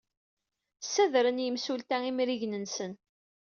Ssadren yimsulta imrigen-nsen.